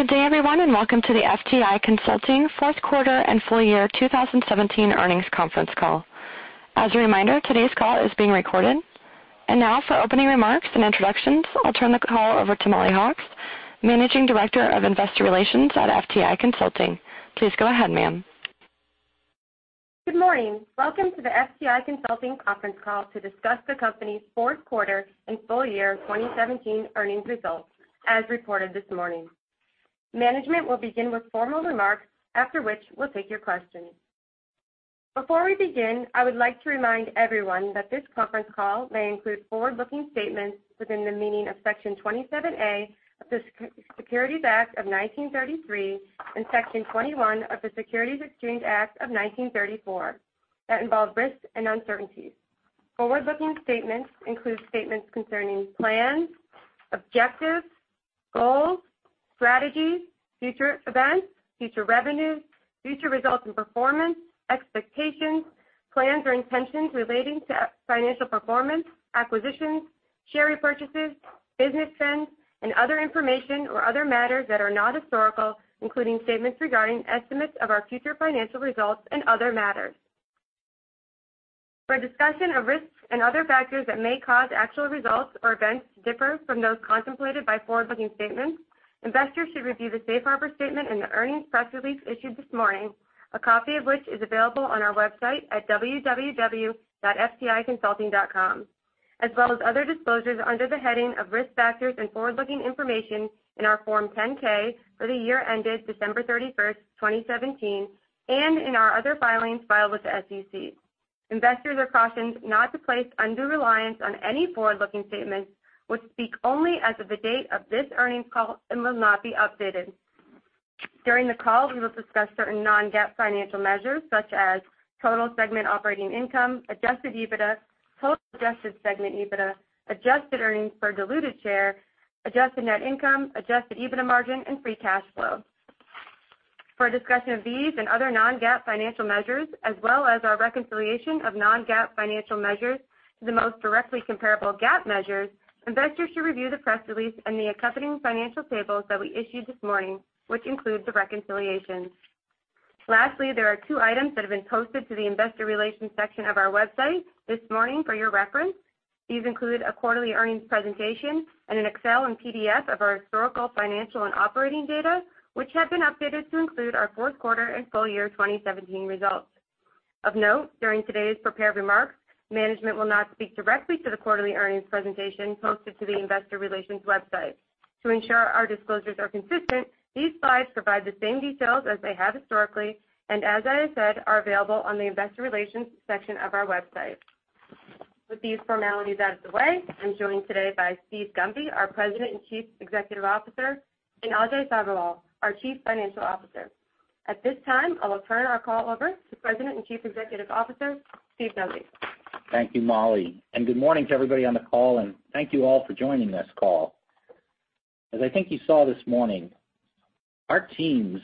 Good day, everyone, welcome to the FTI Consulting fourth quarter and full year 2017 earnings conference call. As a reminder, today's call is being recorded. Now for opening remarks and introductions, I'll turn the call over to Mollie Hawkes, Managing Director of Investor Relations at FTI Consulting. Please go ahead, ma'am. Good morning. Welcome to the FTI Consulting conference call to discuss the company's fourth quarter and full year 2017 earnings results, as reported this morning. Management will begin with formal remarks, after which we'll take your questions. Before we begin, I would like to remind everyone that this conference call may include forward-looking statements within the meaning of Section 27A of the Securities Act of 1933 and Section 21E of the Securities Exchange Act of 1934 that involve risks and uncertainties. Forward-looking statements include statements concerning plans, objectives, goals, strategies, future events, future revenues, future results and performance, expectations, plans or intentions relating to financial performance, acquisitions, share repurchases, business trends, and other information or other matters that are not historical, including statements regarding estimates of our future financial results and other matters. For a discussion of risks and other factors that may cause actual results or events to differ from those contemplated by forward-looking statements, investors should review the safe harbor statement in the earnings press release issued this morning, a copy of which is available on our website at www.fticonsulting.com, as well as other disclosures under the heading of Risk Factors and Forward-Looking Information in our Form 10-K for the year ended December 31st, 2017, and in our other filings filed with the SEC. Investors are cautioned not to place undue reliance on any forward-looking statements, which speak only as of the date of this earnings call and will not be updated. During the call, we will discuss certain non-GAAP financial measures such as total segment operating income, adjusted EBITDA, total adjusted segment EBITDA, adjusted earnings per diluted share, adjusted net income, adjusted EBITDA margin, and free cash flow. For a discussion of these and other non-GAAP financial measures, as well as our reconciliation of non-GAAP financial measures to the most directly comparable GAAP measures, investors should review the press release and the accompanying financial tables that we issued this morning, which include the reconciliations. Lastly, there are two items that have been posted to the investor relations section of our website this morning for your reference. These include a quarterly earnings presentation and an Excel and PDF of our historical, financial and operating data, which have been updated to include our fourth quarter and full year 2017 results. Of note, during today's prepared remarks, management will not speak directly to the quarterly earnings presentation posted to the investor relations website. To ensure our disclosures are consistent, these slides provide the same details as they have historically, as I said, are available on the investor relations section of our website. With these formalities out of the way, I'm joined today by Steve Gunby, our President and Chief Executive Officer, and Ajay Sabherwal, our Chief Financial Officer. At this time, I'll turn our call over to President and Chief Executive Officer, Steve Gunby. Thank you, Mollie. Good morning to everybody on the call, and thank you all for joining this call. As I think you saw this morning, our teams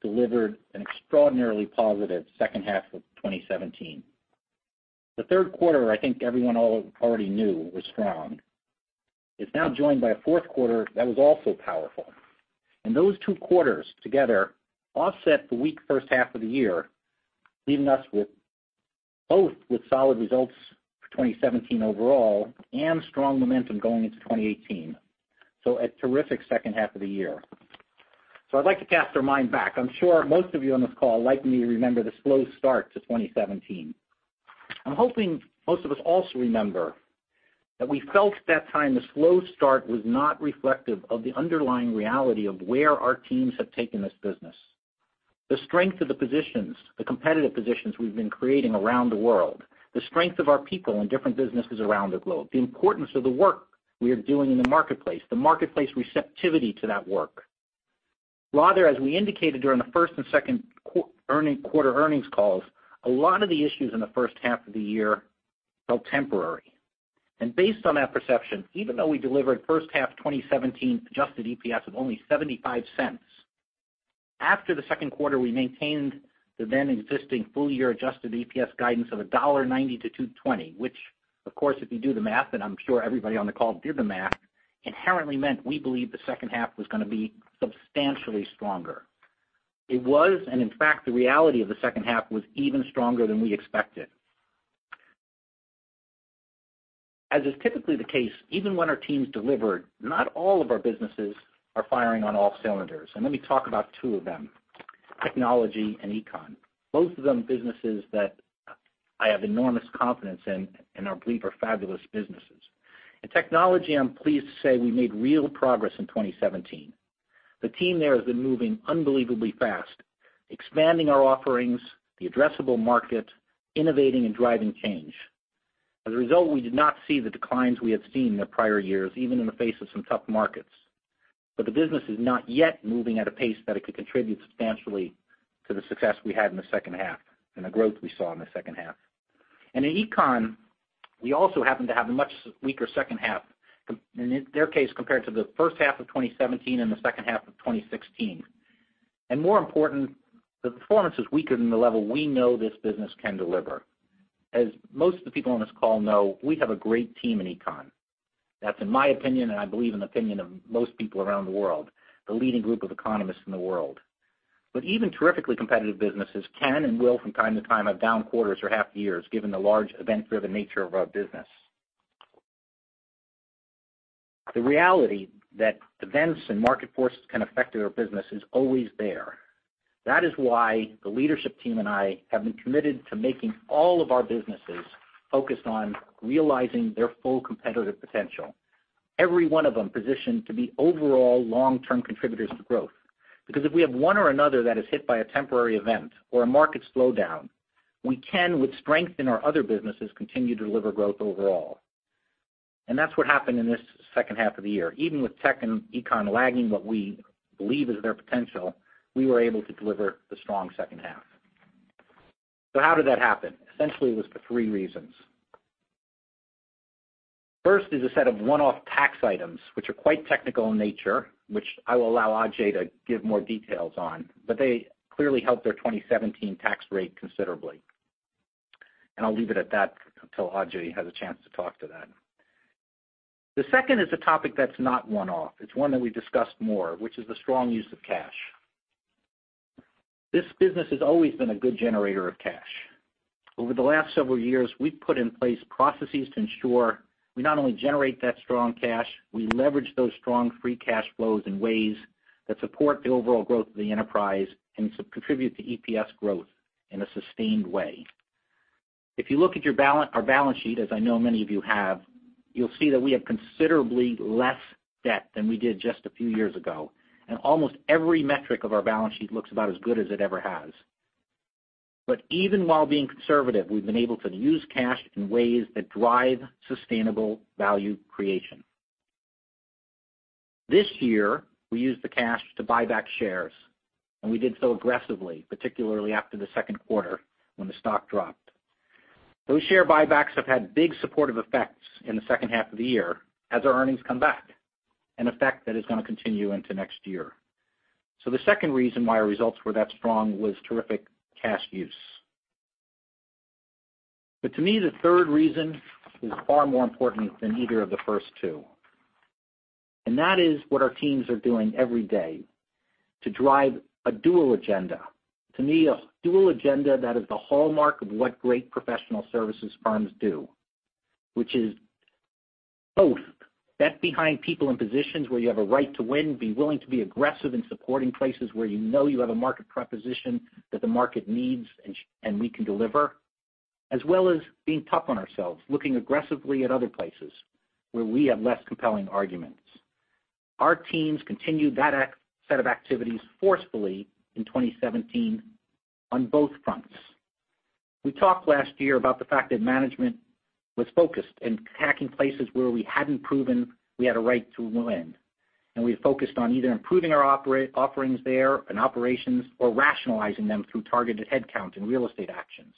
delivered an extraordinarily positive second half of 2017. The third quarter, I think everyone already knew was strong. It's now joined by a fourth quarter that was also powerful. Those two quarters together offset the weak first half of the year, leaving us both with solid results for 2017 overall and strong momentum going into 2018. A terrific second half of the year. I'd like to cast our mind back. I'm sure most of you on this call, like me, remember the slow start to 2017. I'm hoping most of us also remember that we felt at that time the slow start was not reflective of the underlying reality of where our teams have taken this business. The strength of the positions, the competitive positions we've been creating around the world, the strength of our people in different businesses around the globe, the importance of the work we are doing in the marketplace, the marketplace receptivity to that work. Rather, as we indicated during the first and second quarter earnings calls, a lot of the issues in the first half of the year felt temporary. Based on that perception, even though we delivered first half 2017 adjusted EPS of only $0.75, after the second quarter, we maintained the then existing full-year adjusted EPS guidance of $1.90 to $2.20, which of course, if you do the math, and I'm sure everybody on the call did the math, inherently meant we believe the second half was going to be substantially stronger. It was, and in fact, the reality of the second half was even stronger than we expected. As is typically the case, even when our teams delivered, not all of our businesses are firing on all cylinders. Let me talk about two of them, Technology and Economic Consulting, both of them businesses that I have enormous confidence in and I believe are fabulous businesses. In Technology, I'm pleased to say we made real progress in 2017. The team there has been moving unbelievably fast, expanding our offerings, the addressable market, innovating and driving change. As a result, we did not see the declines we had seen in the prior years, even in the face of some tough markets. The business is not yet moving at a pace that it could contribute substantially to the success we had in the second half and the growth we saw in the second half. In econ, we also happened to have a much weaker second half, in their case, compared to the first half of 2017 and the second half of 2016. More important, the performance is weaker than the level we know this business can deliver. As most of the people on this call know, we have a great team in econ. That's in my opinion, and I believe in the opinion of most people around the world, the leading group of economists in the world. Even terrifically competitive businesses can and will, from time to time, have down quarters or half years, given the large event-driven nature of our business. The reality that events and market forces can affect our business is always there. That is why the leadership team and I have been committed to making all of our businesses focused on realizing their full competitive potential, every one of them positioned to be overall long-term contributors to growth. If we have one or another that is hit by a temporary event or a market slowdown, we can, with strength in our other businesses, continue to deliver growth overall. That's what happened in this second half of the year. Even with tech and econ lagging what we believe is their potential, we were able to deliver the strong second half. How did that happen? Essentially, it was for three reasons. First is a set of one-off tax items, which are quite technical in nature, which I will allow Ajay to give more details on, they clearly helped their 2017 tax rate considerably. I'll leave it at that until Ajay has a chance to talk to that. The second is a topic that's not one-off. It's one that we discussed more, which is the strong use of cash. This business has always been a good generator of cash. Over the last several years, we've put in place processes to ensure we not only generate that strong cash, we leverage those strong free cash flows in ways that support the overall growth of the enterprise and contribute to EPS growth in a sustained way. If you look at our balance sheet, as I know many of you have, you'll see that we have considerably less debt than we did just a few years ago, almost every metric of our balance sheet looks about as good as it ever has. Even while being conservative, we've been able to use cash in ways that drive sustainable value creation. This year, we used the cash to buy back shares, we did so aggressively, particularly after the second quarter when the stock dropped. Those share buybacks have had big supportive effects in the second half of the year as our earnings come back, an effect that is going to continue into next year. The second reason why our results were that strong was terrific cash use. To me, the third reason is far more important than either of the first two, and that is what our teams are doing every day to drive a dual agenda. To me, a dual agenda that is the hallmark of what great professional services firms do, which is both bet behind people in positions where you have a right to win, be willing to be aggressive in supporting places where you know you have a market proposition that the market needs and we can deliver, as well as being tough on ourselves, looking aggressively at other places where we have less compelling arguments. Our teams continued that set of activities forcefully in 2017 on both fronts. We talked last year about the fact that management was focused in attacking places where we hadn't proven we had a right to win, we focused on either improving our offerings there and operations or rationalizing them through targeted headcount and real estate actions.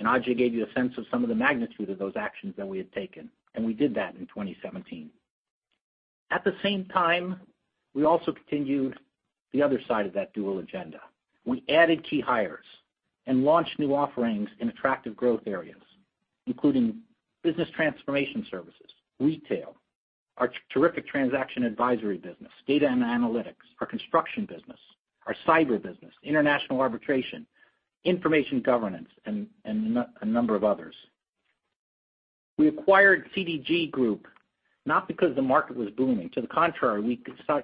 Ajay Sabherwal gave you a sense of some of the magnitude of those actions that we had taken, we did that in 2017. At the same time, we also continued the other side of that dual agenda. We added key hires and launched new offerings in attractive growth areas, including business transformation services, retail, our terrific transaction advisory business, data and analytics, our construction business, our cyber business, international arbitration, information governance, and a number of others. We acquired CDG Group, not because the market was booming. To the contrary, we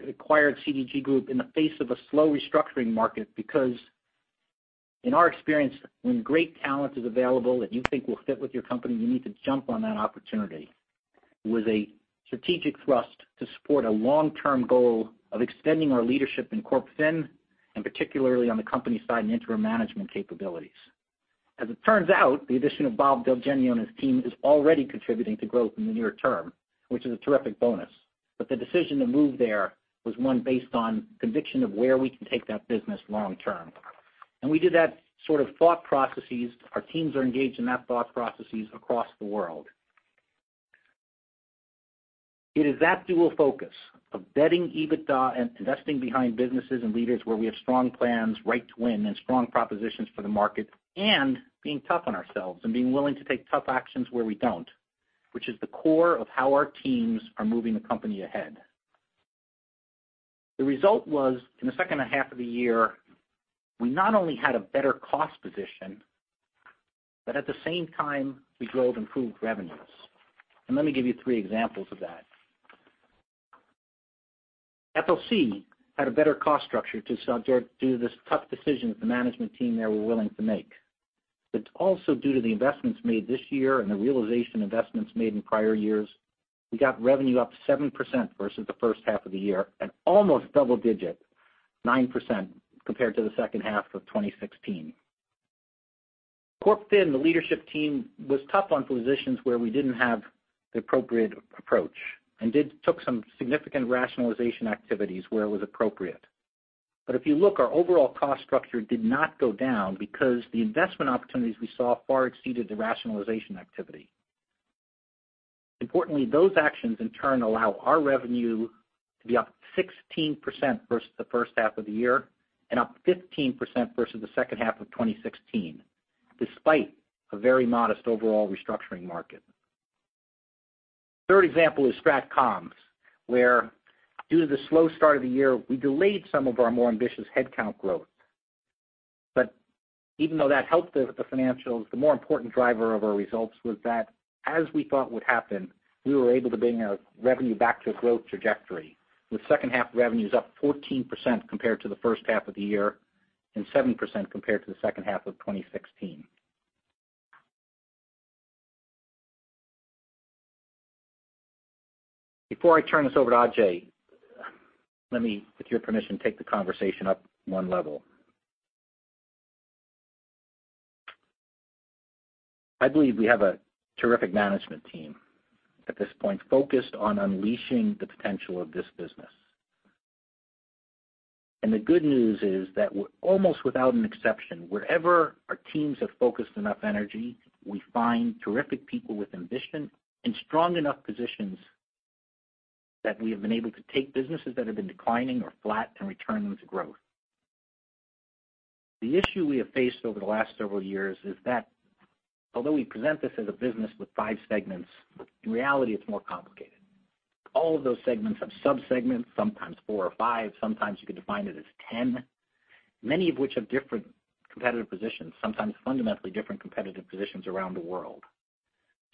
acquired CDG Group in the face of a slow restructuring market because in our experience, when great talent is available that you think will fit with your company, you need to jump on that opportunity. It was a strategic thrust to support a long-term goal of extending our leadership in Corp Fin, particularly on the company side and interim management capabilities. As it turns out, the addition of Bob Del Genio and his team is already contributing to growth in the near term, which is a terrific bonus. The decision to move there was one based on conviction of where we can take that business long term. We did that sort of thought processes. Our teams are engaged in that thought processes across the world. It is that dual focus of betting EBITDA and investing behind businesses and leaders where we have strong plans, right to win, and strong propositions for the market, and being tough on ourselves and being willing to take tough actions where we don't, which is the core of how our teams are moving the company ahead. The result was, in the second half of the year, we not only had a better cost position, but at the same time, we drove improved revenues. Let me give you three examples of that. FLC had a better cost structure due to the tough decisions the management team there were willing to make. Also due to the investments made this year and the realization investments made in prior years, we got revenue up 7% versus the first half of the year and almost double digit, 9%, compared to the second half of 2016. Corp Fin, the leadership team was tough on positions where we didn't have the appropriate approach and took some significant rationalization activities where it was appropriate. If you look, our overall cost structure did not go down because the investment opportunities we saw far exceeded the rationalization activity. Importantly, those actions in turn allow our revenue to be up 16% versus the first half of the year and up 15% versus the second half of 2016, despite a very modest overall restructuring market. Third example is Strat Comm, where due to the slow start of the year, we delayed some of our more ambitious headcount growth. Even though that helped the financials, the more important driver of our results was that, as we thought would happen, we were able to bring our revenue back to a growth trajectory, with second half revenues up 14% compared to the first half of the year and 7% compared to the second half of 2016. Before I turn this over to Ajay, let me, with your permission, take the conversation up one level. I believe we have a terrific management team at this point, focused on unleashing the potential of this business. The good news is that almost without an exception, wherever our teams have focused enough energy, we find terrific people with ambition in strong enough positions that we have been able to take businesses that have been declining or flat and return them to growth. The issue we have faced over the last several years is that although we present this as a business with five segments, in reality, it's more complicated. All of those segments have sub-segments, sometimes four or five, sometimes you could define it as 10, many of which have different competitive positions, sometimes fundamentally different competitive positions around the world.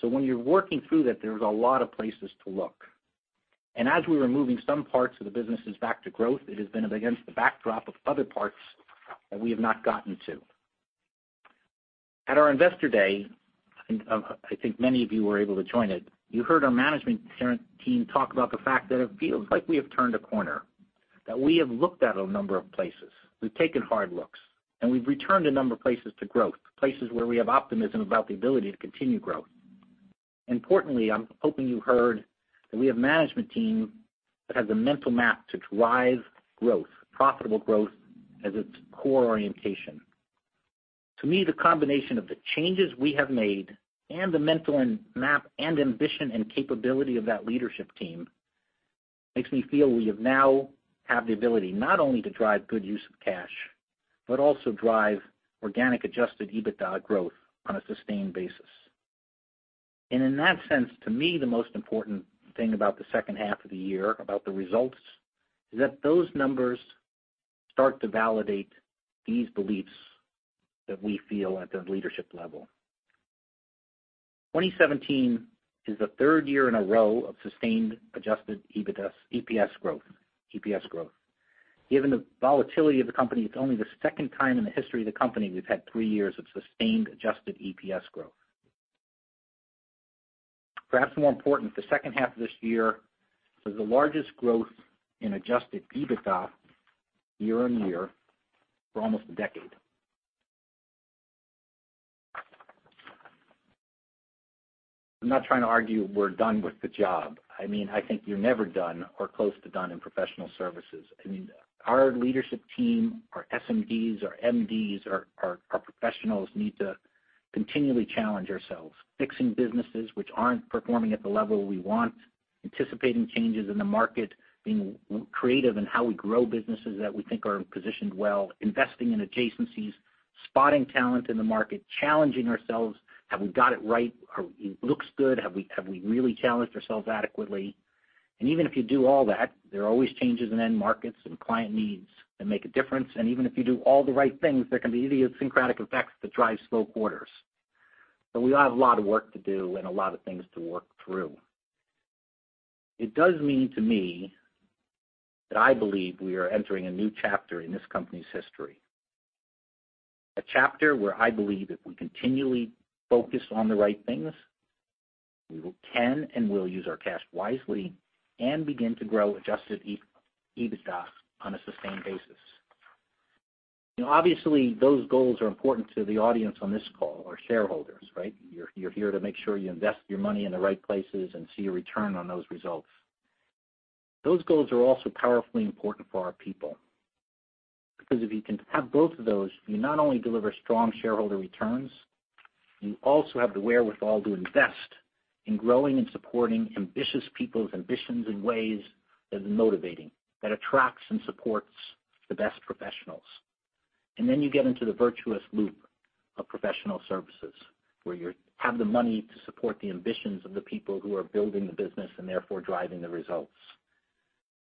When you're working through that, there's a lot of places to look. As we were moving some parts of the businesses back to growth, it has been against the backdrop of other parts that we have not gotten to. At our investor day, I think many of you were able to join it, you heard our management team talk about the fact that it feels like we have turned a corner, that we have looked at a number of places. We've taken hard looks, we've returned a number of places to growth, places where we have optimism about the ability to continue growth. Importantly, I'm hoping you heard that we have a management team that has a mental map to drive growth, profitable growth, as its core orientation. To me, the combination of the changes we have made and the mental map and ambition and capability of that leadership team makes me feel we now have the ability not only to drive good use of cash, but also drive organic adjusted EBITDA growth on a sustained basis. In that sense, to me, the most important thing about the second half of the year, about the results, is that those numbers start to validate these beliefs that we feel at the leadership level. 2017 is the third year in a row of sustained adjusted EPS growth. Given the volatility of the company, it's only the second time in the history of the company we've had three years of sustained adjusted EPS growth. Perhaps more important, the second half of this year was the largest growth in adjusted EBITDA year-on-year for almost a decade. I'm not trying to argue we're done with the job. I think you're never done or close to done in professional services. Our leadership team, our SMDs, our MDs, our professionals need to continually challenge ourselves, fixing businesses which aren't performing at the level we want, anticipating changes in the market, being creative in how we grow businesses that we think are positioned well, investing in adjacencies, spotting talent in the market, challenging ourselves. Have we got it right? It looks good. Have we really challenged ourselves adequately? Even if you do all that, there are always changes in end markets and client needs that make a difference. Even if you do all the right things, there can be idiosyncratic effects that drive slow quarters. We have a lot of work to do and a lot of things to work through. It does mean, to me, that I believe we are entering a new chapter in this company's history. A chapter where I believe if we continually focus on the right things, we can and will use our cash wisely and begin to grow adjusted EBITDA on a sustained basis. Obviously, those goals are important to the audience on this call, our shareholders, right? You're here to make sure you invest your money in the right places and see a return on those results. Those goals are also powerfully important for our people, because if you can have both of those, you not only deliver strong shareholder returns, you also have the wherewithal to invest in growing and supporting ambitious people's ambitions in ways that are motivating, that attracts and supports the best professionals. Then you get into the virtuous loop of professional services, where you have the money to support the ambitions of the people who are building the business and therefore driving the results.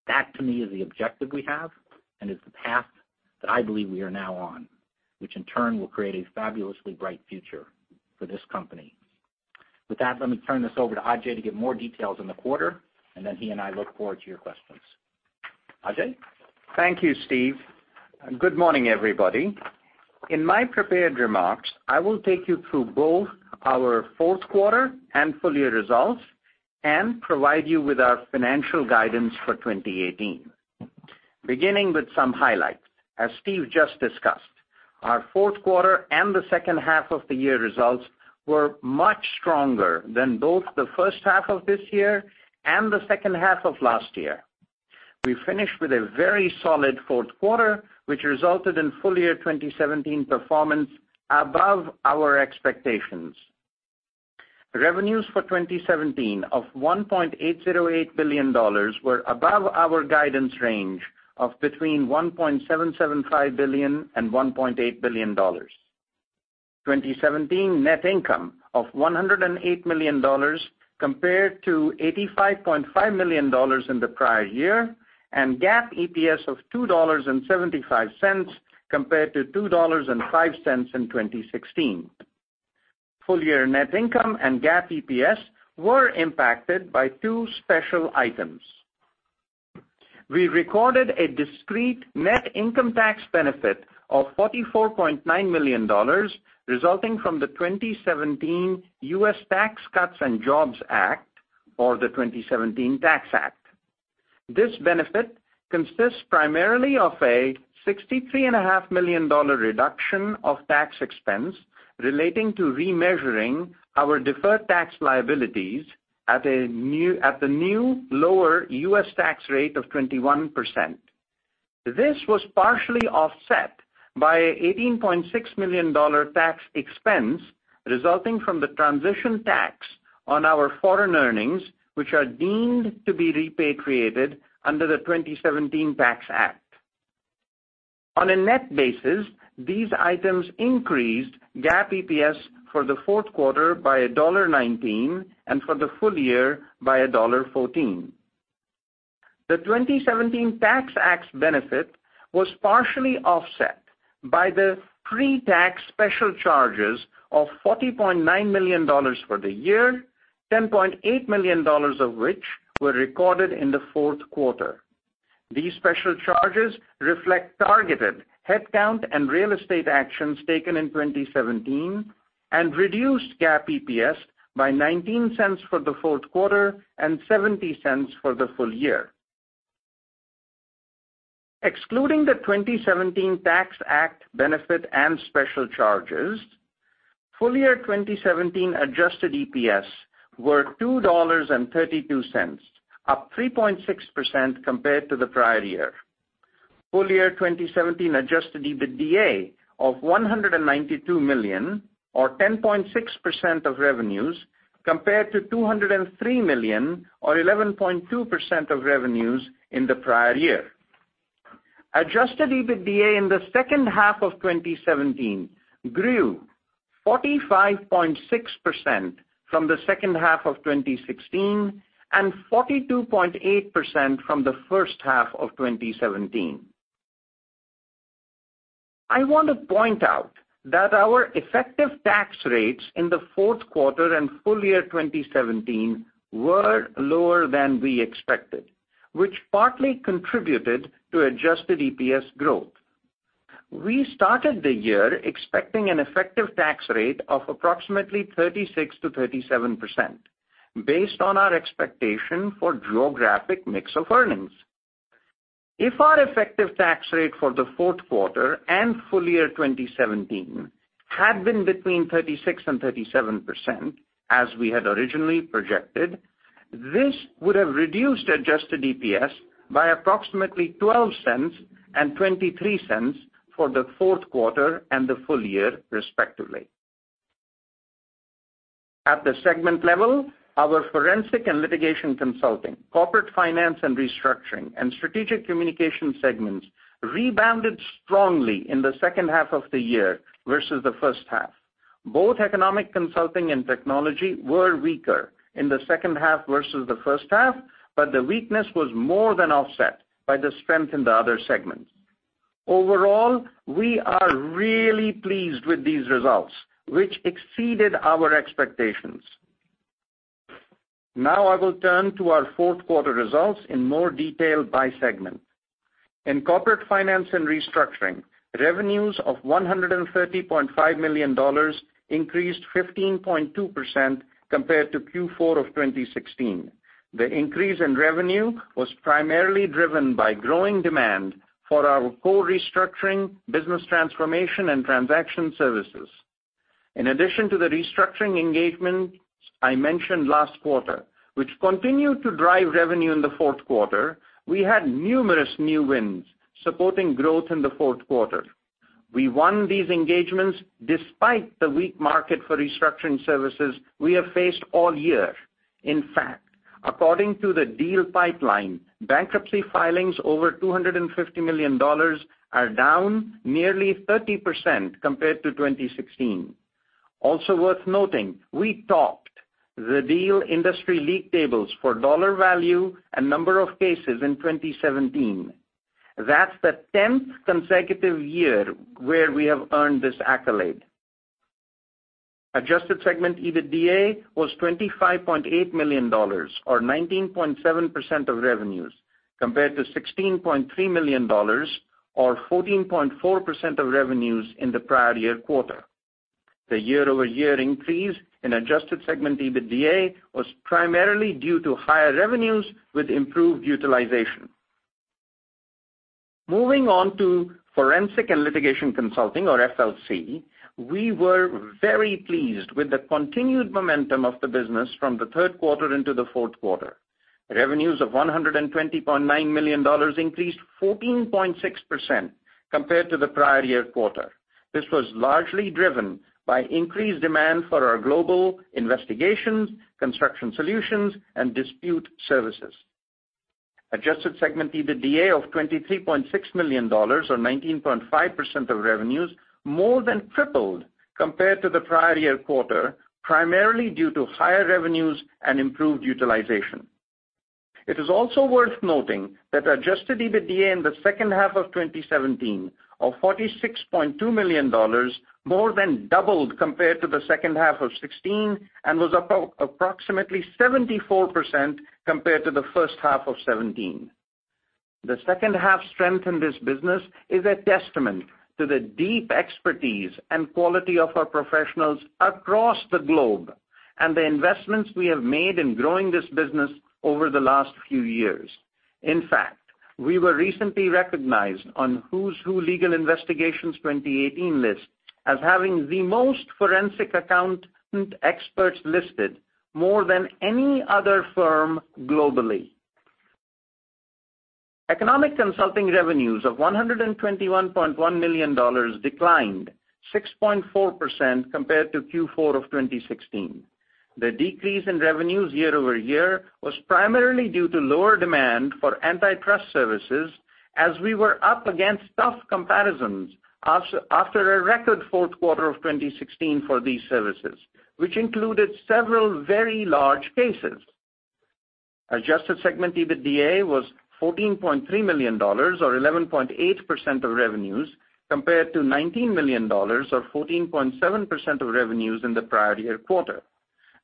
That, to me, is the objective we have and is the path that I believe we are now on, which in turn will create a fabulously bright future for this company. With that, let me turn this over to Ajay to give more details on the quarter, and then he and I look forward to your questions. Ajay? Thank you, Steve. Good morning, everybody. In my prepared remarks, I will take you through both our fourth quarter and full-year results and provide you with our financial guidance for 2018. Beginning with some highlights, as Steve just discussed, our fourth quarter and the second half of the year results were much stronger than both the first half of this year and the second half of last year. We finished with a very solid fourth quarter, which resulted in full-year 2017 performance above our expectations. Revenues for 2017 of $1.808 billion were above our guidance range of between $1.775 billion and $1.8 billion. 2017 net income of $108 million compared to $85.5 million in the prior year, and GAAP EPS of $2.75 compared to $2.05 in 2016. Full-year net income and GAAP EPS were impacted by two special items. We recorded a discrete net income tax benefit of $44.9 million, resulting from the 2017 US Tax Cuts and Jobs Act, or the 2017 Tax Act. This benefit consists primarily of a $63.5 million reduction of tax expense relating to remeasuring our deferred tax liabilities at the new lower U.S. tax rate of 21%. This was partially offset by $18.6 million tax expense resulting from the transition tax on our foreign earnings, which are deemed to be repatriated under the 2017 Tax Act. On a net basis, these items increased GAAP EPS for the fourth quarter by $1.19 and for the full year by $1.14. The 2017 Tax Act's benefit was partially offset by the pretax special charges of $40.9 million for the year, $10.8 million of which were recorded in the fourth quarter. These special charges reflect targeted headcount and real estate actions taken in 2017 and reduced GAAP EPS by $0.19 for the fourth quarter and $0.70 for the full year. Excluding the 2017 Tax Act benefit and special charges, full-year 2017 adjusted EPS were $2.32, up 3.6% compared to the prior year. Full-year 2017 adjusted EBITDA of $192 million or 10.6% of revenues compared to $203 million or 11.2% of revenues in the prior year. Adjusted EBITDA in the second half of 2017 grew 45.6% from the second half of 2016 and 42.8% from the first half of 2017. I want to point out that our effective tax rates in the fourth quarter and full year 2017 were lower than we expected, which partly contributed to adjusted EPS growth. We started the year expecting an effective tax rate of approximately 36%-37%, based on our expectation for geographic mix of earnings. If our effective tax rate for the fourth quarter and full year 2017 had been between 36% and 37%, as we had originally projected, this would have reduced adjusted EPS by approximately $0.12 and $0.23 for the fourth quarter and the full year, respectively. At the segment level, our Forensic & Litigation Consulting, Corporate Finance & Restructuring, and Strategic Communications segments rebounded strongly in the second half of the year versus the first half. Both Economic Consulting and Technology were weaker in the second half versus the first half, but the weakness was more than offset by the strength in the other segments. Overall, we are really pleased with these results, which exceeded our expectations. I will turn to our fourth quarter results in more detail by segment. In Corporate Finance & Restructuring, revenues of $130.5 million increased 15.2% compared to Q4 of 2016. The increase in revenue was primarily driven by growing demand for our core restructuring, business transformation, and transaction services. In addition to the restructuring engagements I mentioned last quarter, which continued to drive revenue in the fourth quarter, we had numerous new wins supporting growth in the fourth quarter. We won these engagements despite the weak market for restructuring services we have faced all year. In fact, according to The Deal Pipeline, bankruptcy filings over $250 million are down nearly 30% compared to 2016. Also worth noting, we topped The Deal's Bankruptcy League Tables for dollar value and number of cases in 2017. That's the 10th consecutive year where we have earned this accolade. Adjusted segment EBITDA was $25.8 million or 19.7% of revenues compared to $16.3 million or 14.4% of revenues in the prior year quarter. The year-over-year increase in adjusted segment EBITDA was primarily due to higher revenues with improved utilization. Moving on to Forensic and Litigation Consulting, or FLC, we were very pleased with the continued momentum of the business from the third quarter into the fourth quarter. Revenues of $120.9 million increased 14.6% compared to the prior year quarter. This was largely driven by increased demand for our global investigations, construction solutions, and dispute services. Adjusted segment EBITDA of $23.6 million, or 19.5% of revenues, more than tripled compared to the prior year quarter, primarily due to higher revenues and improved utilization. It is also worth noting that adjusted EBITDA in the second half of 2017, of $46.2 million, more than doubled compared to the second half of 2016 and was up approximately 74% compared to the first half of 2017. The second half strength in this business is a testament to the deep expertise and quality of our professionals across the globe and the investments we have made in growing this business over the last few years. In fact, we were recently recognized on "Who's Who Legal: Investigations 2018" list as having the most forensic accountant experts listed, more than any other firm globally. Economic Consulting revenues of $121.1 million declined 6.4% compared to Q4 of 2016. The decrease in revenues year-over-year was primarily due to lower demand for antitrust services, as we were up against tough comparisons after a record fourth quarter of 2016 for these services, which included several very large cases. Adjusted segment EBITDA was $14.3 million, or 11.8% of revenues, compared to $19 million, or 14.7% of revenues, in the prior year quarter.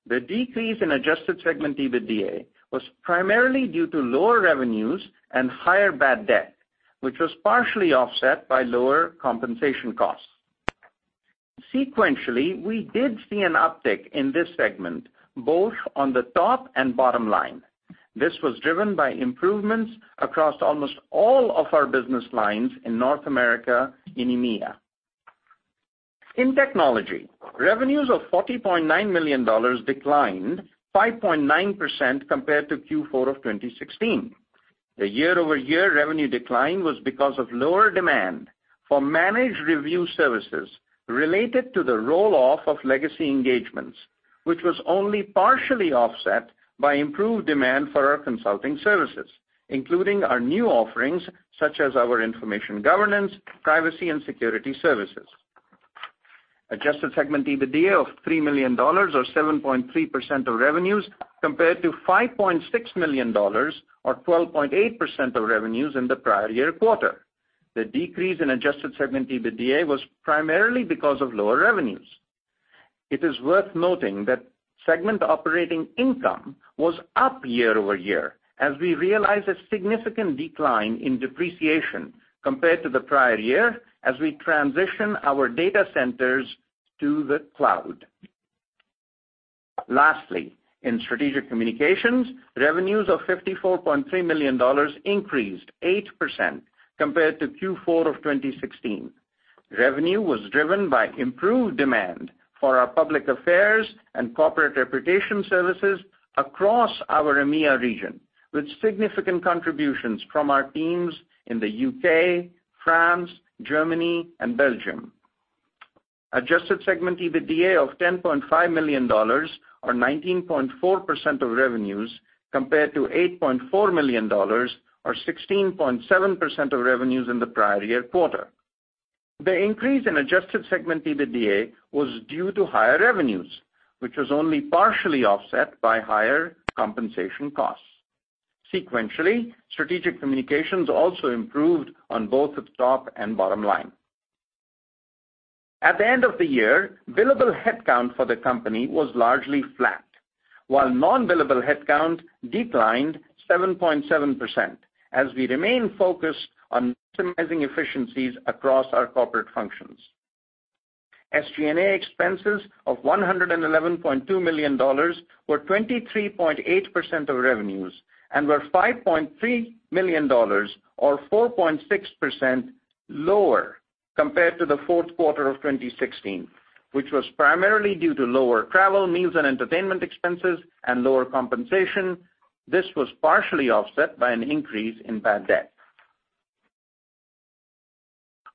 The decrease in adjusted segment EBITDA was primarily due to lower revenues and higher bad debt, which was partially offset by lower compensation costs. Sequentially, we did see an uptick in this segment, both on the top and bottom line. This was driven by improvements across almost all of our business lines in North America and EMEA. In Technology, revenues of $40.9 million declined 5.9% compared to Q4 of 2016. The year-over-year revenue decline was because of lower demand for managed review services related to the roll-off of legacy engagements, which was only partially offset by improved demand for our consulting services, including our new offerings, such as our information governance, privacy, and security services. Adjusted segment EBITDA of $3 million or 7.3% of revenues compared to $5.6 million or 12.8% of revenues in the prior year quarter. The decrease in adjusted segment EBITDA was primarily because of lower revenues. It is worth noting that segment operating income was up year-over-year, as we realized a significant decline in depreciation compared to the prior year as we transition our data centers to the cloud. Lastly, in Strategic Communications, revenues of $54.3 million increased 8% compared to Q4 of 2016. Revenue was driven by improved demand for our public affairs and corporate reputation services across our EMEA region, with significant contributions from our teams in the U.K., France, Germany, and Belgium. Adjusted segment EBITDA of $10.5 million or 19.4% of revenues compared to $8.4 million or 16.7% of revenues in the prior year quarter. The increase in adjusted segment EBITDA was due to higher revenues, which was only partially offset by higher compensation costs. Sequentially, Strategic Communications also improved on both the top and bottom line. At the end of the year, billable headcount for the company was largely flat, while non-billable headcount declined 7.7% as we remain focused on maximizing efficiencies across our corporate functions. SG&A expenses of $111.2 million were 23.8% of revenues and were $5.3 million, or 4.6%, lower compared to the fourth quarter of 2016, which was primarily due to lower travel, meals, and entertainment expenses and lower compensation. This was partially offset by an increase in bad debt.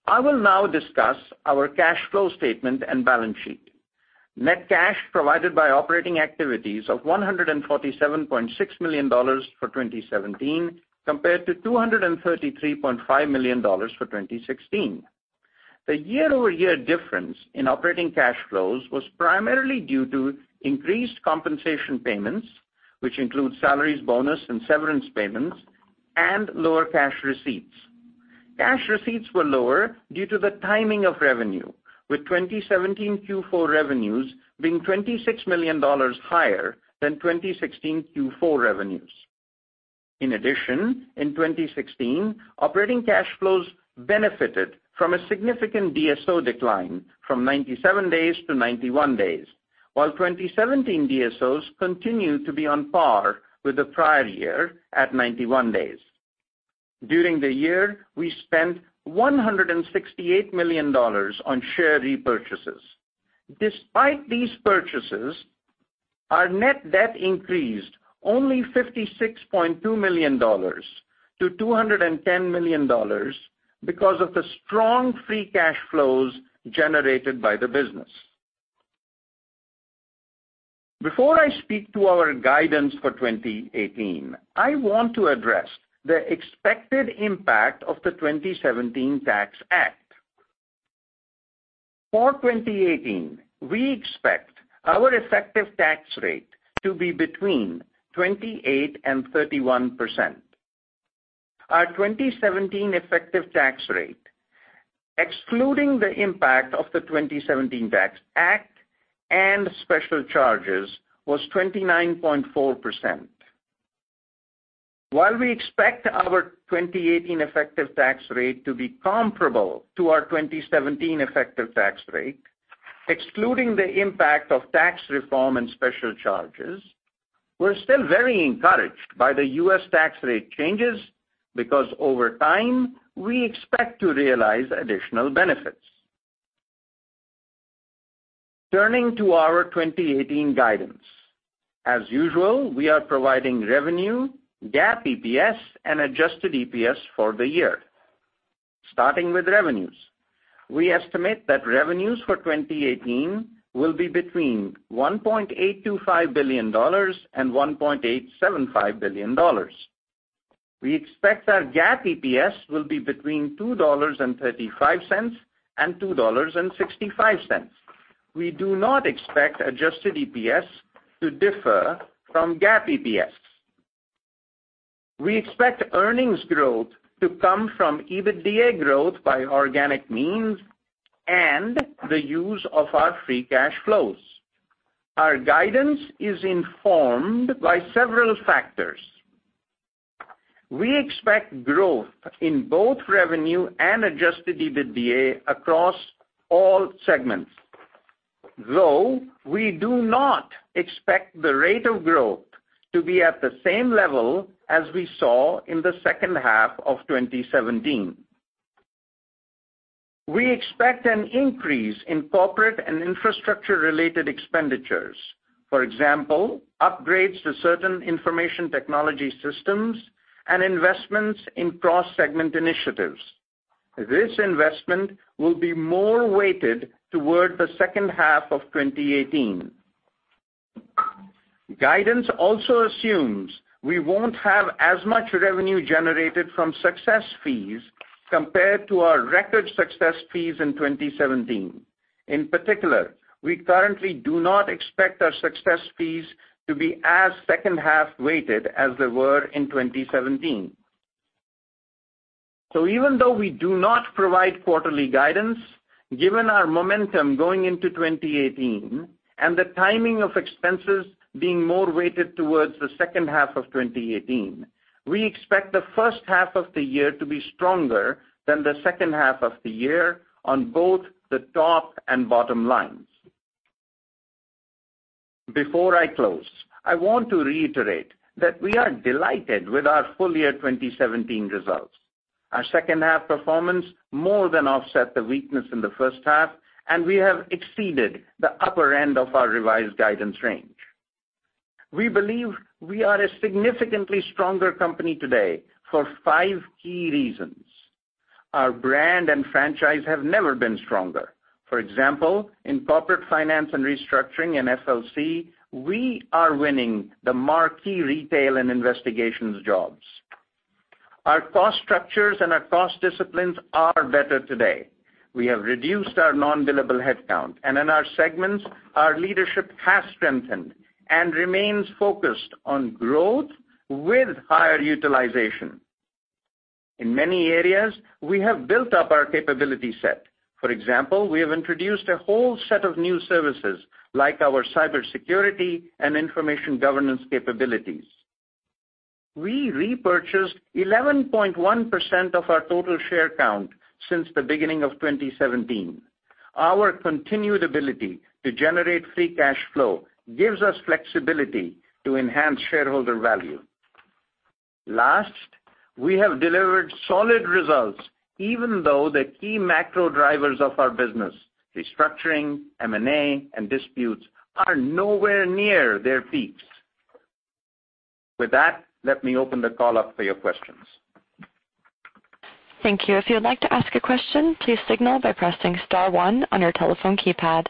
I will now discuss our cash flow statement and balance sheet. Net cash provided by operating activities of $147.6 million for 2017 compared to $233.5 million for 2016. The year-over-year difference in operating cash flows was primarily due to increased compensation payments, which include salaries, bonus, and severance payments, and lower cash receipts. Cash receipts were lower due to the timing of revenue, with 2017 Q4 revenues being $26 million higher than 2016 Q4 revenues. In addition, in 2016, operating cash flows benefited from a significant DSO decline from 97 days to 91 days. While 2017 DSOs continue to be on par with the prior year at 91 days. During the year, we spent $168 million on share repurchases. Despite these purchases, our net debt increased only $56.2 million to $210 million because of the strong free cash flows generated by the business. Before I speak to our guidance for 2018, I want to address the expected impact of the 2017 Tax Act. For 2018, we expect our effective tax rate to be between 28%-31%. Our 2017 effective tax rate, excluding the impact of the 2017 Tax Act and special charges, was 29.4%. While we expect our 2018 effective tax rate to be comparable to our 2017 effective tax rate, excluding the impact of tax reform and special charges, we're still very encouraged by the U.S. tax rate changes because over time, we expect to realize additional benefits. Turning to our 2018 guidance. As usual, we are providing revenue, GAAP EPS, and adjusted EPS for the year. Starting with revenues, we estimate that revenues for 2018 will be between $1.825 billion-$1.875 billion. We expect our GAAP EPS will be between $2.35-$2.65. We do not expect adjusted EPS to differ from GAAP EPS. We expect earnings growth to come from EBITDA growth by organic means and the use of our free cash flows. Our guidance is informed by several factors. We expect growth in both revenue and adjusted EBITDA across all segments, though we do not expect the rate of growth to be at the same level as we saw in the second half of 2017. We expect an increase in corporate and infrastructure-related expenditures. For example, upgrades to certain information technology systems and investments in cross-segment initiatives. This investment will be more weighted toward the second half of 2018. Guidance also assumes we won't have as much revenue generated from success fees compared to our record success fees in 2017. In particular, we currently do not expect our success fees to be as second-half weighted as they were in 2017. Even though we do not provide quarterly guidance, given our momentum going into 2018 and the timing of expenses being more weighted towards the second half of 2018, we expect the first half of the year to be stronger than the second half of the year on both the top and bottom lines. Before I close, I want to reiterate that we are delighted with our full-year 2017 results. Our second half performance more than offset the weakness in the first half, and we have exceeded the upper end of our revised guidance range. We believe we are a significantly stronger company today for five key reasons. Our brand and franchise have never been stronger. For example, in Corporate Finance & Restructuring and FLC, we are winning the marquee retail and investigations jobs. Our cost structures and our cost disciplines are better today. We have reduced our non-billable headcount, and in our segments, our leadership has strengthened and remains focused on growth with higher utilization. In many areas, we have built up our capability set. For example, we have introduced a whole set of new services, like our cybersecurity and information governance capabilities. We repurchased 11.1% of our total share count since the beginning of 2017. Our continued ability to generate free cash flow gives us flexibility to enhance shareholder value. Last, we have delivered solid results, even though the key macro drivers of our business, restructuring, M&A, and disputes, are nowhere near their peaks. With that, let me open the call up for your questions. Thank you. If you would like to ask a question, please signal by pressing *1 on your telephone keypad.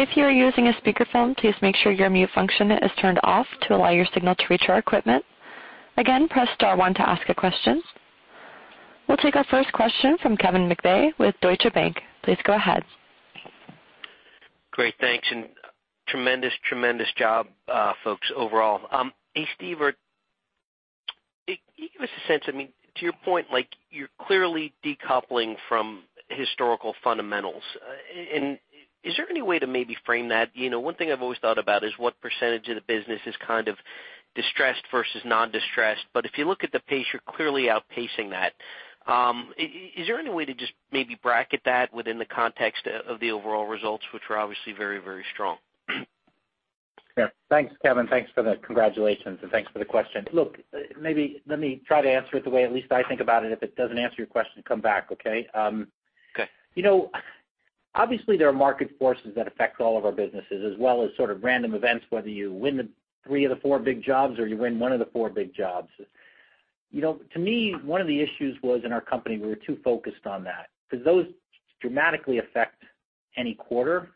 If you are using a speakerphone, please make sure your mute function is turned off to allow your signal to reach our equipment. Again, press *1 to ask a question. We'll take our first question from Kevin McVeigh with Deutsche Bank. Please go ahead. Great, thanks, tremendous job, folks, overall. Hey, Steve, give us a sense, to your point, you're clearly decoupling from historical fundamentals. Is there any way to maybe frame that? One thing I've always thought about is what percentage of the business is kind of distressed versus non-distressed. If you look at the pace, you're clearly outpacing that. Is there any way to just maybe bracket that within the context of the overall results, which are obviously very, very strong? Yeah. Thanks, Kevin. Thanks for the congratulations and thanks for the question. Look, maybe let me try to answer it the way at least I think about it. If it doesn't answer your question, come back, okay? Okay. Obviously, there are market forces that affect all of our businesses as well as sort of random events, whether you win the three of the four big jobs or you win one of the four big jobs. To me, one of the issues was in our company, we were too focused on that because those dramatically affect any quarter.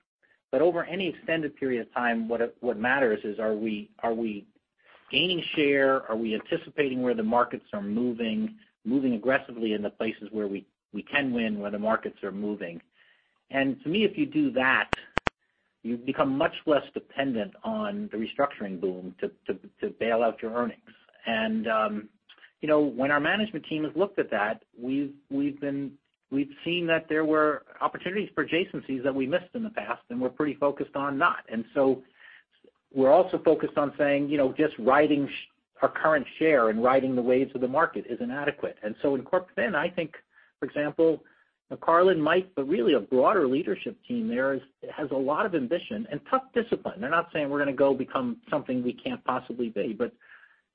Over any extended period of time, what matters is, are we gaining share? Are we anticipating where the markets are moving aggressively in the places where we can win, where the markets are moving? To me, if you do that, you become much less dependent on the restructuring boom to bail out your earnings. When our management team has looked at that, we've seen that there were opportunities for adjacencies that we missed in the past, and we're pretty focused on not. We're also focused on saying, just riding our current share and riding the waves of the market is inadequate. In Corp Fin, I think, for example, Carlin, Mike, but really a broader leadership team there has a lot of ambition and tough discipline. They're not saying we're going to go become something we can't possibly be, but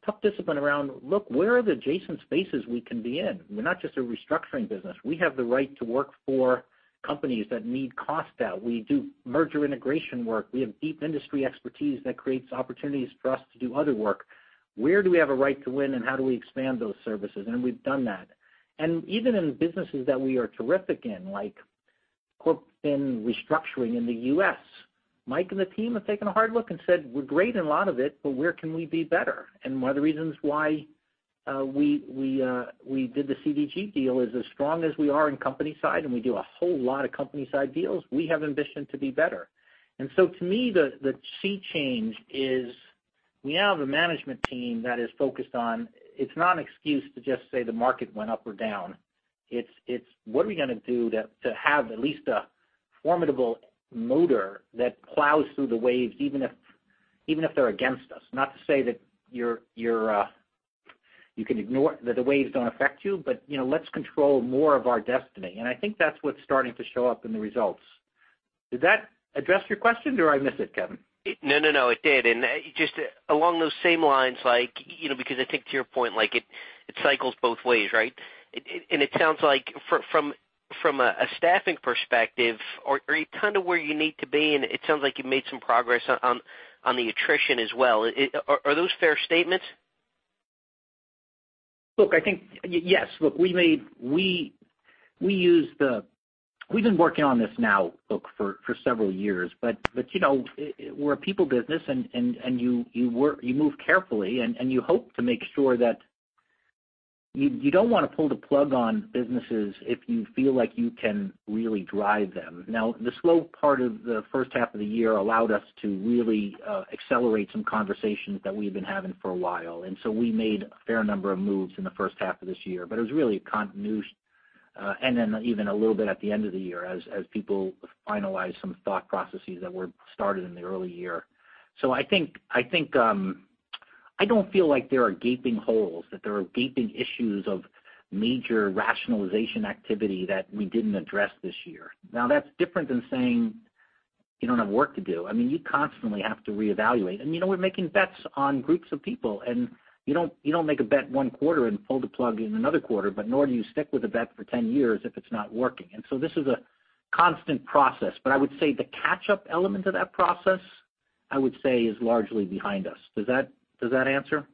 tough discipline around, look, where are the adjacent spaces we can be in? We're not just a restructuring business. We have the right to work for companies that need cost out. We do merger integration work. We have deep industry expertise that creates opportunities for us to do other work. Where do we have a right to win, and how do we expand those services? We've done that. Even in businesses that we are terrific in, like Corp Fin Restructuring in the U.S., Mike and the team have taken a hard look and said, "We're great in a lot of it, but where can we be better?" One of the reasons why we did the CDG deal is as strong as we are in company side, and we do a whole lot of company-side deals. We have ambition to be better. To me, the key change is we now have a management team that is focused on, it's not an excuse to just say the market went up or down. It's what are we going to do to have at least a formidable motor that plows through the waves, even if they're against us. Not to say that the waves don't affect you, but let's control more of our destiny. I think that's what's starting to show up in the results. Did that address your question, or did I miss it, Kevin? No, it did. Just along those same lines, because I think to your point, it cycles both ways, right? It sounds like from a staffing perspective, are you where you need to be? It sounds like you've made some progress on the attrition as well. Are those fair statements? Look, I think, yes. Look, we've been working on this now, look, for several years. We're a people business, and you move carefully, and you hope to make sure that you don't want to pull the plug on businesses if you feel like you can really drive them. Now, the slow part of the first half of the year allowed us to really accelerate some conversations that we've been having for a while. We made a fair number of moves in the first half of this year. It was really a continuous, and then even a little bit at the end of the year as people finalized some thought processes that were started in the early year. I don't feel like there are gaping holes, that there are gaping issues of major rationalization activity that we didn't address this year. That's different than saying you don't have work to do. I mean, you constantly have to reevaluate. We're making bets on groups of people, and you don't make a bet one quarter and pull the plug in another quarter, but nor do you stick with a bet for 10 years if it's not working. This is a constant process. I would say the catch-up element of that process, I would say, is largely behind us. Does that answer?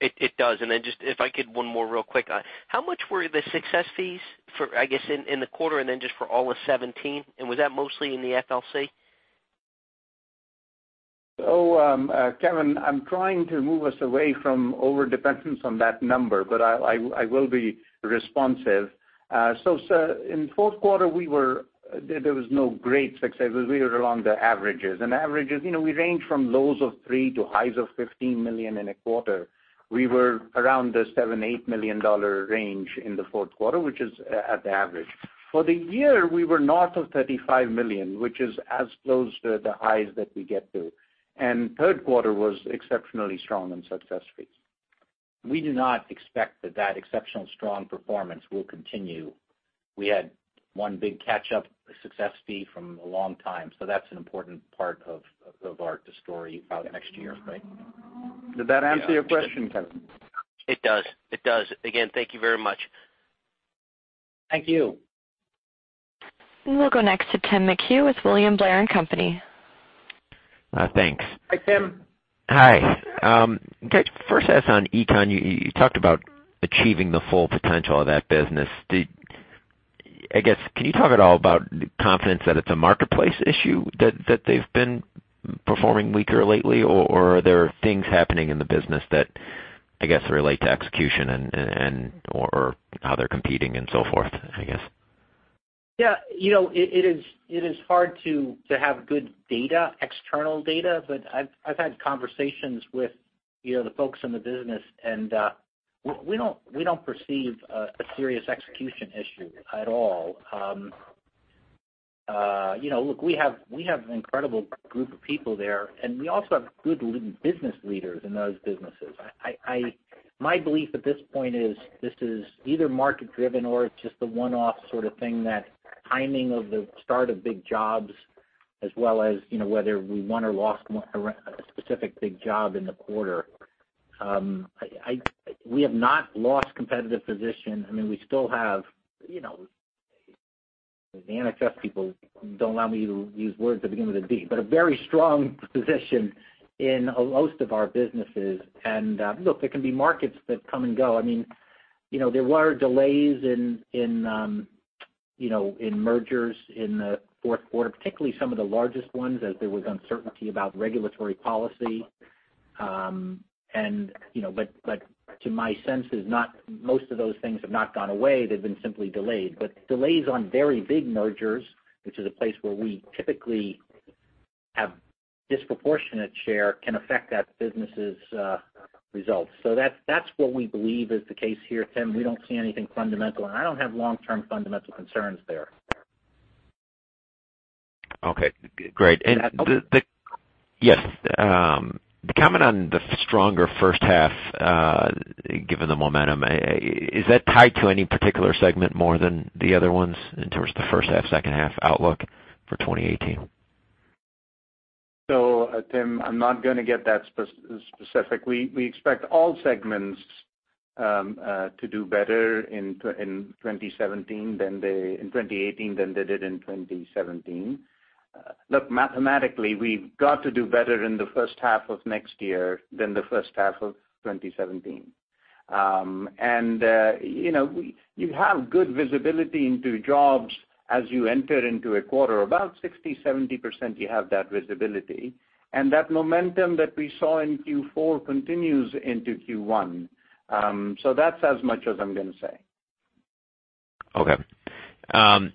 It does. Just if I could, one more real quick. How much were the success fees for, I guess, in the quarter and then just for all of 2017? Was that mostly in the FLC? Kevin, I'm trying to move us away from overdependence on that number, but I will be responsive. In the fourth quarter, there was no great success. We were around the averages. Averages, we range from lows of three to highs of $15 million in a quarter. We were around the $7 million to $8 million range in the fourth quarter, which is at the average. For the year, we were north of $35 million, which is as close to the highs that we get to. Third quarter was exceptionally strong in success fees. We do not expect that exceptional strong performance will continue. We had one big catch-up success fee from a long time. That's an important part of our story about next year, right? Did that answer your question, Kevin? It does. Again, thank you very much. Thank you. We'll go next to Tim McHugh with William Blair & Company. Thanks. Hi, Tim. Hi. First to ask on Econ, you talked about achieving the full potential of that business. I guess, can you talk at all about confidence that it's a marketplace issue that they've been performing weaker lately? Are there things happening in the business that, I guess, relate to execution or how they're competing and so forth, I guess? Yeah. It is hard to have good data, external data, but I've had conversations with the folks in the business, and we don't perceive a serious execution issue at all. Look, we have an incredible group of people there, and we also have good business leaders in those businesses. My belief at this point is this is either market-driven or it's just a one-off sort of thing that timing of the start of big jobs, as well as whether we won or lost a specific big job in the quarter. We have not lost competitive position. The NFS people don't allow me to use words that begin with a D, but a very strong position in most of our businesses. Look, there can be markets that come and go. There were delays in mergers in the fourth quarter, particularly some of the largest ones as there was uncertainty about regulatory policy. To my sense is most of those things have not gone away. They've been simply delayed. Delays on very big mergers, which is a place where we typically have disproportionate share, can affect that business' results. That's what we believe is the case here, Tim. We don't see anything fundamental, and I don't have long-term fundamental concerns there. Okay. Great. Is that helpful? Yes. Comment on the stronger first half, given the momentum. Is that tied to any particular segment more than the other ones in towards the first half, second half outlook for 2018? Tim, I'm not going to get that specific. We expect all segments to do better in 2018 than they did in 2017. Look, mathematically, we've got to do better in the first half of next year than the first half of 2017. You have good visibility into jobs as you enter into a quarter. About 60%, 70%, you have that visibility. That momentum that we saw in Q4 continues into Q1. That's as much as I'm going to say. Okay. Are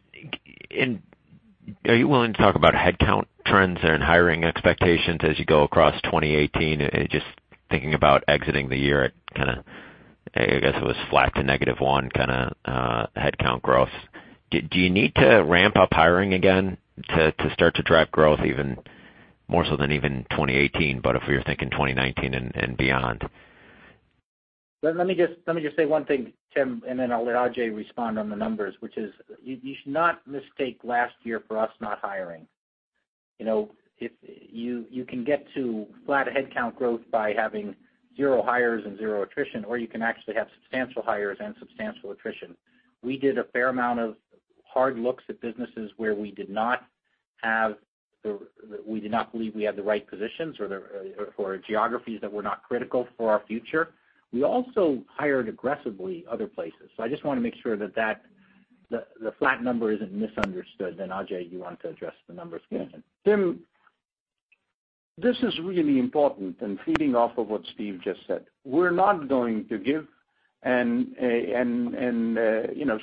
you willing to talk about headcount trends and hiring expectations as you go across 2018? Just thinking about exiting the year at, I guess it was flat to negative one kind of headcount growth. Do you need to ramp up hiring again to start to drive growth even more so than even 2018, but if we were thinking 2019 and beyond? Let me just say one thing, Tim, then I'll let Ajay respond on the numbers, which is you should not mistake last year for us not hiring. You can get to flat headcount growth by having zero hires and zero attrition, or you can actually have substantial hires and substantial attrition. We did a fair amount of hard looks at businesses where we did not believe we had the right positions or geographies that were not critical for our future. We also hired aggressively other places. I just want to make sure that the flat number isn't misunderstood. Ajay, you want to address the numbers again? Tim, this is really important and feeding off of what Steve just said.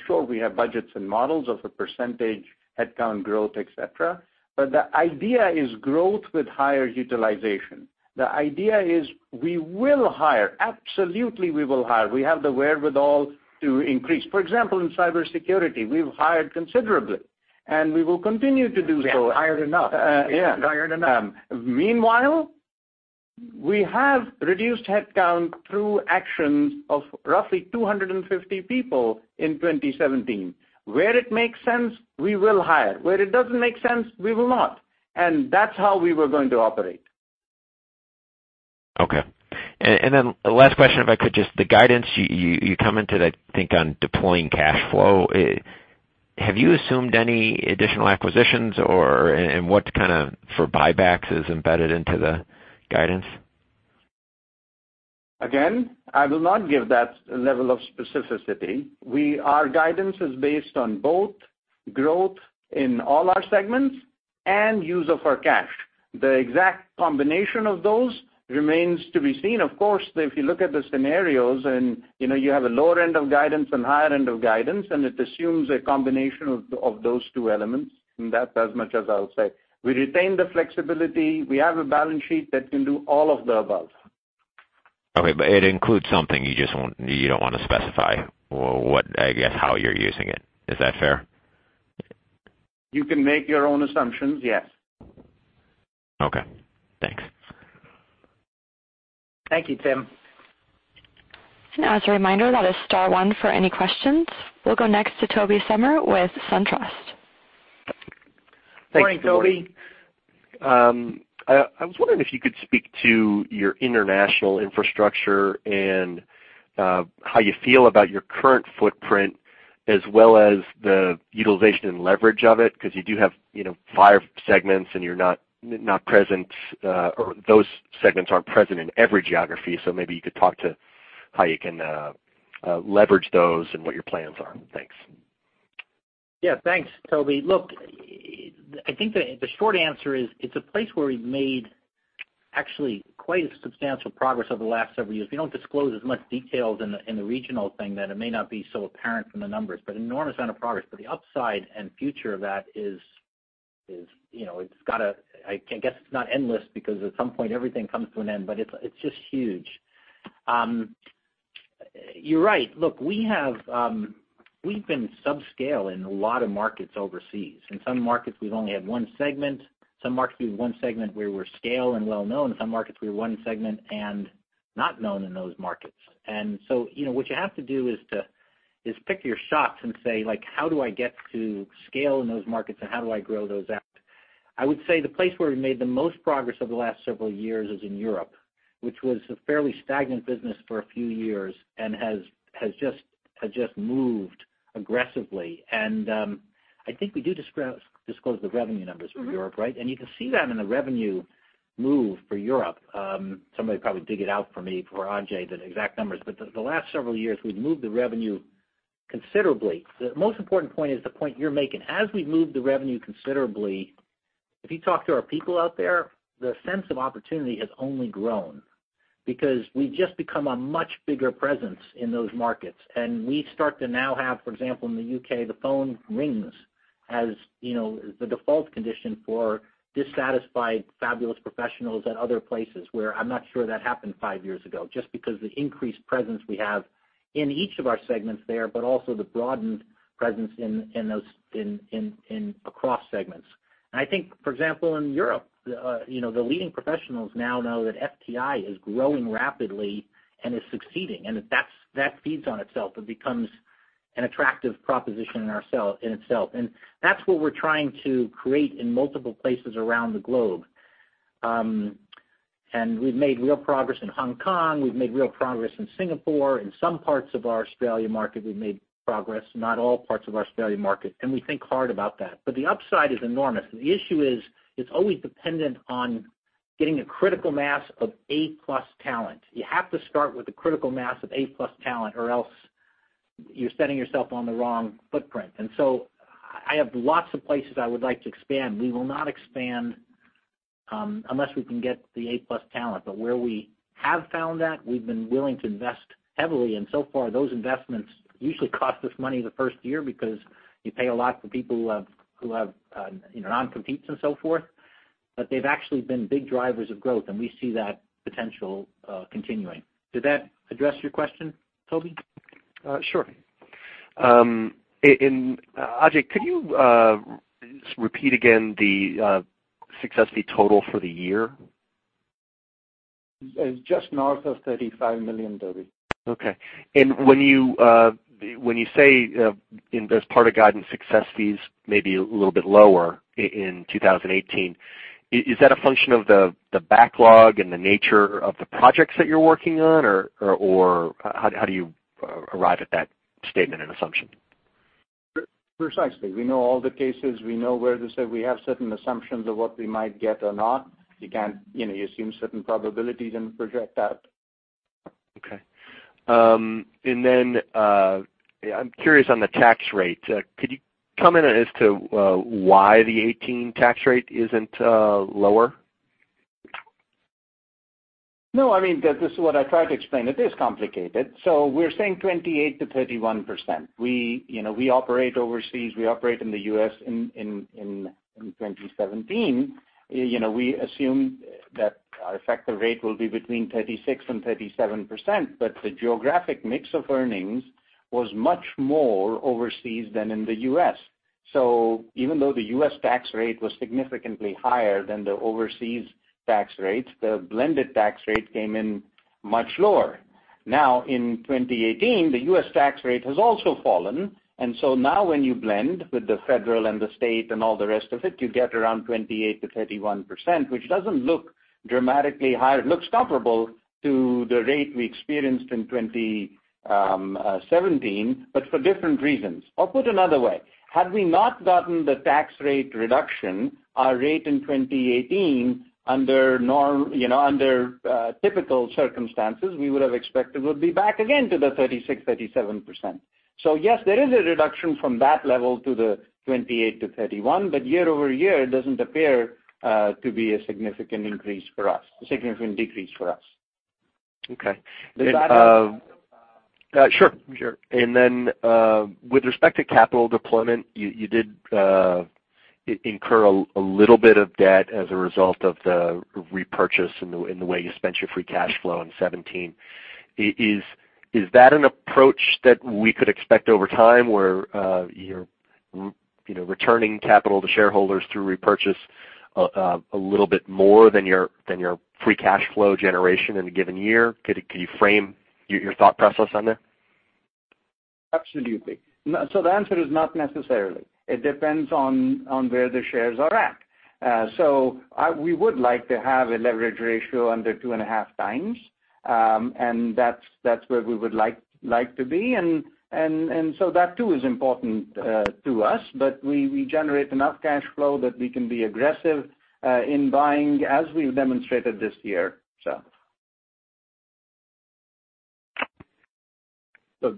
Sure, we have budgets and models of a percentage, headcount growth, et cetera. The idea is growth with higher utilization. The idea is we will hire. Absolutely, we will hire. We have the wherewithal to increase. For example, in cybersecurity, we've hired considerably, and we will continue to do so. We haven't hired enough. Yeah. We haven't hired enough. Meanwhile, we have reduced headcount through actions of roughly 250 people in 2017. Where it makes sense, we will hire. Where it doesn't make sense, we will not. That's how we were going to operate. Okay. Last question, if I could just, the guidance you commented, I think, on deploying cash flow. Have you assumed any additional acquisitions, and what kind of for buybacks is embedded into the guidance? Again, I will not give that level of specificity. Our guidance is based on both growth in all our segments and use of our cash. The exact combination of those remains to be seen. Of course, if you look at the scenarios and you have a lower end of guidance and higher end of guidance, it assumes a combination of those two elements, that's as much as I'll say. We retain the flexibility. We have a balance sheet that can do all of the above. Okay. It includes something you don't want to specify, I guess, how you're using it. Is that fair? You can make your own assumptions, yes. Okay. Thanks. Thank you, Tim. As a reminder, that is star one for any questions. We'll go next to Tobey Sommer with SunTrust. Good morning, Tobey. Thanks. Good morning. I was wondering if you could speak to your international infrastructure and how you feel about your current footprint as well as the utilization and leverage of it because you do have five segments and those segments aren't present in every geography. Maybe you could talk to how you can leverage those and what your plans are. Thanks. Yeah. Thanks, Tobey. I think the short answer is it's a place where we've made actually quite a substantial progress over the last several years. We don't disclose as much details in the regional thing that it may not be so apparent from the numbers, but an enormous amount of progress. The upside and future of that is, I guess it's not endless because at some point everything comes to an end, but it's just huge. You're right. We've been sub-scale in a lot of markets overseas. In some markets, we've only had one segment. Some markets, we have one segment where we're scale and well-known. In some markets, we have one segment and not known in those markets. What you have to do is to pick your shots and say, "How do I get to scale in those markets, and how do I grow those out?" I would say the place where we've made the most progress over the last several years is in Europe, which was a fairly stagnant business for a few years and has just moved aggressively. I think we do disclose the revenue numbers for Europe, right? You can see that in the revenue move for Europe. Somebody probably dig it out for me, for Ajay, the exact numbers. The last several years, we've moved the revenue considerably. The most important point is the point you're making. As we move the revenue considerably, if you talk to our people out there, the sense of opportunity has only grown because we've just become a much bigger presence in those markets. We start to now have, for example, in the U.K., the phone rings as the default condition for dissatisfied fabulous professionals at other places where I'm not sure that happened five years ago, just because the increased presence we have in each of our segments there, but also the broadened presence across segments. I think, for example, in Europe, the leading professionals now know that FTI is growing rapidly and is succeeding, and that feeds on itself. It becomes an attractive proposition in itself. That's what we're trying to create in multiple places around the globe. We've made real progress in Hong Kong, we've made real progress in Singapore. In some parts of our Australia market, we've made progress, not all parts of our Australia market, we think hard about that. The upside is enormous. The issue is it's always dependent on getting a critical mass of A-plus talent. You have to start with a critical mass of A-plus talent, or else you're setting yourself on the wrong footprint. I have lots of places I would like to expand. We will not expand unless we can get the A-plus talent. where we have found that, we've been willing to invest heavily. So far, those investments usually cost us money the first year because you pay a lot for people who have non-competes and so forth. They've actually been big drivers of growth, and we see that potential continuing. Did that address your question, Tobey? Sure. Ajay, could you just repeat again the success fee total for the year? It's just north of $35 million, Tobey. Okay. When you say as part of guidance success fees may be a little bit lower in 2018, is that a function of the backlog and the nature of the projects that you're working on, or how do you arrive at that statement and assumption? Precisely. We know all the cases. We know where to say we have certain assumptions of what we might get or not. You assume certain probabilities and project out. I'm curious on the tax rate. Could you comment on as to why the 2018 tax rate isn't lower? No, this is what I tried to explain. It is complicated. We're saying 28%-31%. We operate overseas, we operate in the U.S. in 2017. We assume that our effective rate will be between 36%-37%, but the geographic mix of earnings was much more overseas than in the U.S. Even though the U.S. tax rate was significantly higher than the overseas tax rates, the blended tax rate came in much lower. In 2018, the U.S. tax rate has also fallen, and now when you blend with the federal and the state and all the rest of it, you get around 28%-31%, which doesn't look dramatically higher. It looks comparable to the rate we experienced in 2017, but for different reasons. I'll put another way. Had we not gotten the tax rate reduction, our rate in 2018 under typical circumstances, we would have expected would be back again to the 36%-37%. Yes, there is a reduction from that level to the 28%-31%, year-over-year, it doesn't appear to be a significant decrease for us. Okay. Does that answer? Sure. Then, with respect to capital deployment, you did incur a little bit of debt as a result of the repurchase and the way you spent your free cash flow in 2017. Is that an approach that we could expect over time where you're returning capital to shareholders through repurchase a little bit more than your free cash flow generation in a given year? Could you frame your thought process on there? Absolutely. The answer is not necessarily. It depends on where the shares are at. We would like to have a leverage ratio under 2.5 times. That's where we would like to be, that too is important to us, but we generate enough cash flow that we can be aggressive in buying as we've demonstrated this year.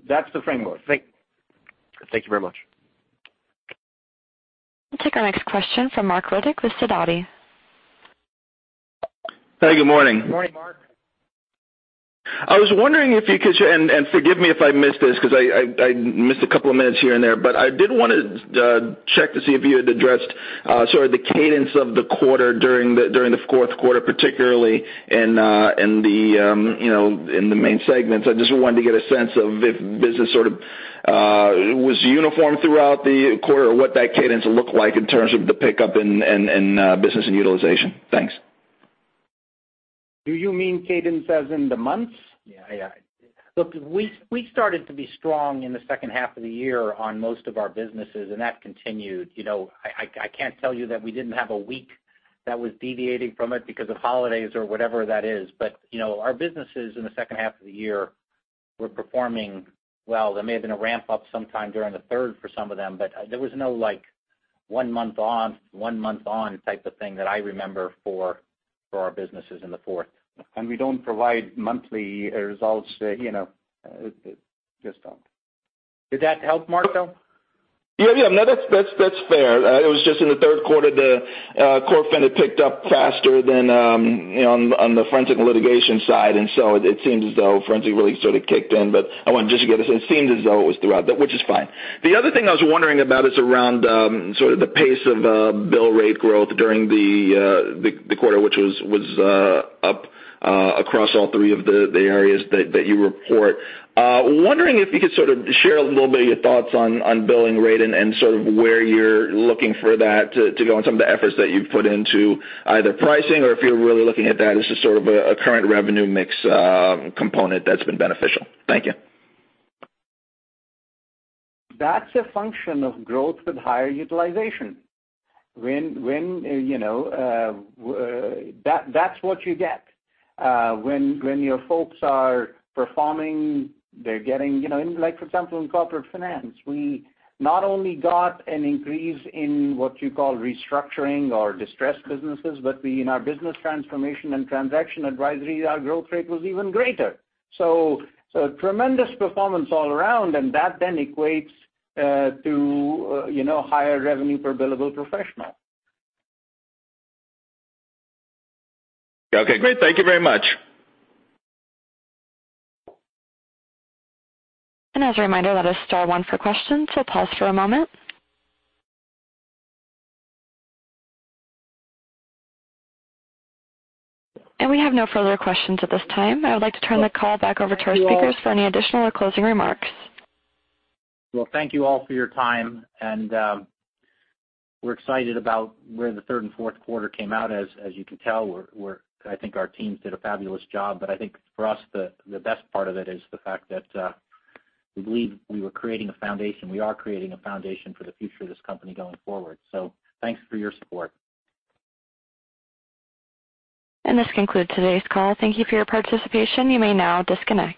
That's the framework. Thank you very much. We'll take our next question from Marc Riddick with Sidoti. Hey, good morning. Good morning, Marc. I was wondering if you could share, and forgive me if I missed this because I missed a couple of minutes here and there, but I did want to check to see if you had addressed, sort of the cadence of the quarter during the fourth quarter. In the main segments, I just wanted to get a sense of if business sort of was uniform throughout the quarter or what that cadence looked like in terms of the pickup in business and utilization. Thanks. Do you mean cadence as in the months? Yeah. Look, we started to be strong in the second half of the year on most of our businesses, and that continued. I can't tell you that we didn't have a week that was deviating from it because of holidays or whatever that is, but our businesses in the second half of the year were performing well. There may have been a ramp up sometime during the third for some of them, but there was no one month on type of thing that I remember for our businesses in the fourth. We don't provide monthly results. Just don't. Did that help, Marc? No, that's fair. It was just in the third quarter, the Corp Fin had picked up faster than on the Forensic & Litigation Consulting side, it seems as though forensic really sort of kicked in. I wanted just to get a sense. It seems as though it was throughout, which is fine. The other thing I was wondering about is around sort of the pace of bill rate growth during the quarter, which was up across all three of the areas that you report. Wondering if you could sort of share a little bit of your thoughts on billing rate and sort of where you're looking for that to go and some of the efforts that you've put into either pricing or if you're really looking at that as just sort of a current revenue mix component that's been beneficial. Thank you. That's a function of growth with higher utilization. That's what you get when your folks are performing. For example, in Corporate Finance, we not only got an increase in what you call restructuring or distressed businesses, but in our business transformation and transaction advisory, our growth rate was even greater. Tremendous performance all around, and that then equates to higher revenue per billable professional. Great. Thank you very much. As a reminder, that is star one for questions. We'll pause for a moment. We have no further questions at this time. I would like to turn the call back over to our speakers for any additional or closing remarks. Thank you all for your time, we're excited about where the third and fourth quarter came out. As you can tell, I think our teams did a fabulous job. I think for us, the best part of it is the fact that we believe we were creating a foundation. We are creating a foundation for the future of this company going forward. Thanks for your support. This concludes today's call. Thank you for your participation. You may now disconnect.